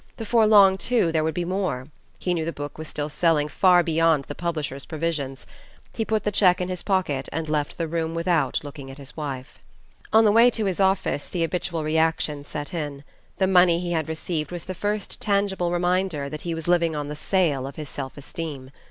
Before long, too, there would be more; he knew the book was still selling far beyond the publisher's previsions. He put the check in his pocket and left the room without looking at his wife. On the way to his office the habitual reaction set in. The money he had received was the first tangible reminder that he was living on the sale of his self esteem.